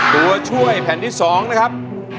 ตัวช่วยแผ่นที่๒นะครับ